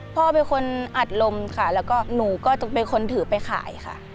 พ่อเป็นคนอัดลมค่ะแล้วก็หนูก็จะเป็นคนถือไปขายค่ะ